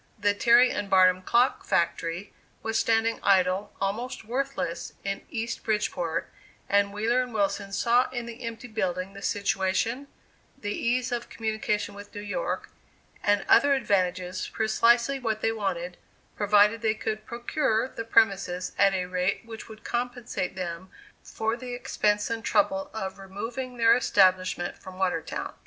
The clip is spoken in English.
The Terry & Barnum clock factory was standing idle, almost worthless, in East Bridgeport, and Wheeler & Wilson saw in the empty building, the situation, the ease of communication with New York, and other advantages, precisely what they wanted, provided they could procure the premises at a rate which would compensate them for the expense and trouble of removing their establishment from Watertown.